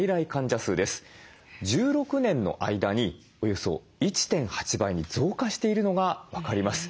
１６年の間におよそ１．８倍に増加しているのが分かります。